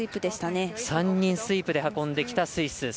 ３人スイープで運んできたスイス。